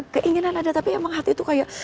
keinginan ada tapi emang hati itu kayak